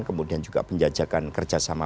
kemudian juga penjajakan kerjasama